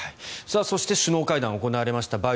そして首脳会談が行われました。